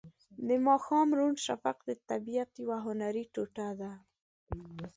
د ماښام روڼ شفق د طبیعت یوه هنري ټوټه ده.